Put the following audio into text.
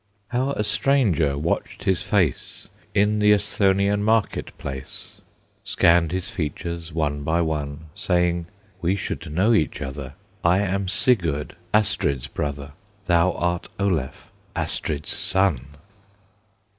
How a stranger watched his face In the Esthonian market place, Scanned his features one by one, Saying, "We should know each other; I am Sigurd, Astrid's brother, Thou art Olaf, Astrid's son!"